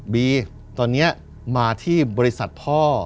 บีตอนนี้มาที่บริษัทพ่อ